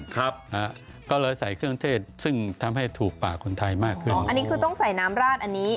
ครับนะฮะก็เลยใส่เครื่องเทศซึ่งทำให้ถูกปากคนไทยมากขึ้นอ๋ออันนี้คือต้องใส่น้ำราดอันนี้